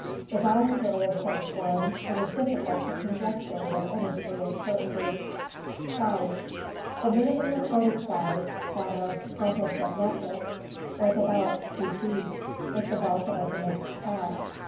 The dietary of such forms it is difficult to conjecture with any degree of certainty. Size. — The minimum recorded size, that of Compsognatkus, was about 2yi feet, with the bulk of a domestic cat.